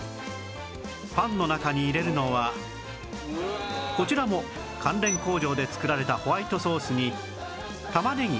パンの中に入れるのはこちらも関連工場で作られたホワイトソースに玉ねぎ